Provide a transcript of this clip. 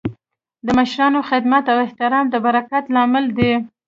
د مشرانو خدمت او احترام د برکت لامل دی.